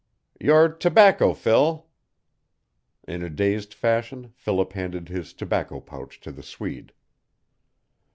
"Your tobaeco, Phil!" In a dazed fashion Philip handed his tobacco pouch to the Swede.